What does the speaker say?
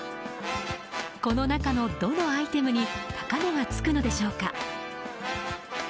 この中のどのアイテムに高値がつくのでしょうか？